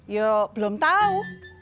yo belum tahu